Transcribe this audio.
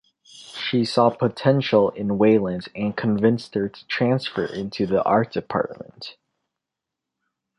She saw potential in Wieland and convinced her to transfer into the art department.